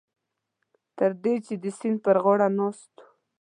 تر دې چې د سیند په غاړه ناست وو.